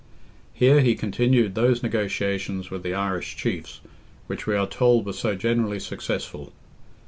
Here he continued those negotiations with the Irish chiefs, which we are told were so generally successful.